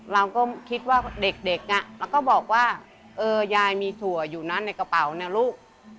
เราก็คิดว่าเด็กอะแล้วก็บอกว่าเออยายมีสัวอยู่นะในกระเป๋าเนี่ยลูก